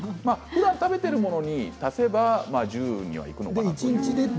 ふだん食べているものに足せば１０にいくのかなと。